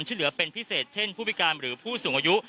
ช่วยเหลือเป็นพิเศษเช่นผู้พิการหรือผู้สูงอายุ